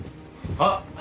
あっ！